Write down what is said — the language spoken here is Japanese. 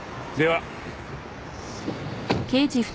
では。